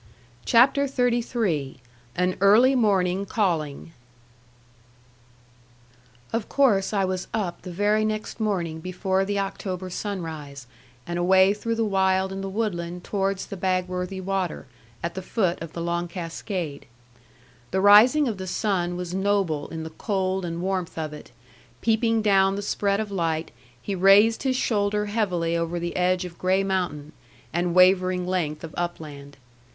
CHAPTER XXXIII AN EARLY MORNING CALL Of course I was up the very next morning before the October sunrise, and away through the wild and the woodland towards the Bagworthy water, at the foot of the long cascade. The rising of the sun was noble in the cold and warmth of it; peeping down the spread of light, he raised his shoulder heavily over the edge of grey mountain, and wavering length of upland.